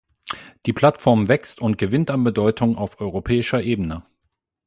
Die Plattform wächst und gewinnt an Bedeutung auf europäischer Ebene.